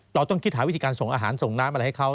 เราต้องคิดหาวิธีการส่งอาหารส่งน้ำอะไรให้เขา